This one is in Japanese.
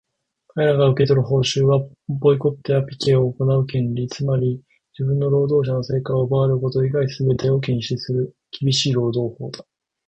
かれが受け取る報酬は、ボイコットやピケを行う権利、つまり自分の労働の成果を奪われること以外のすべてを禁止する厳しい労働法だ。